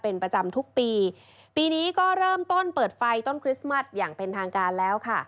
เป็นประจำทุกปีปีนี้ก็เริ่มต้นเปิดไฟต้นคริสต์มัสอย่างเป็นทางการแล้วค่ะ